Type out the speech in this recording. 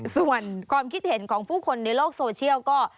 ส่วนความคิดเห็นของผู้คนในโลกโซเชียลก็